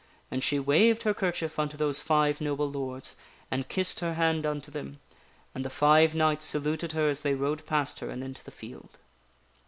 And she waved her kerchief unto those five noble lords and kissed her hand unto them, and the five knights saluted her as they rode past her and into the field.